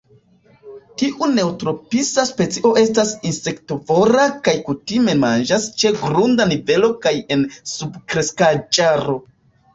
Tiu neotropisa specio estas insektovora kaj kutime manĝas ĉe grunda nivelo kaj en subkreskaĵaro.